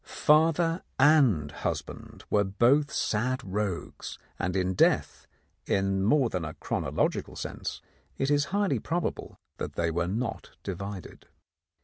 Father and husband were both sad rogues, and in death, in more than a chronological sense, it is highly probable that they were not divided.